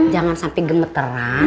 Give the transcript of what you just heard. jangan sampai gemeteran